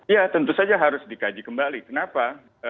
ya tentu saja harus dikaji kembali kenapa